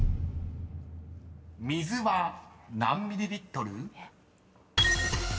［水は何ミリリットル？］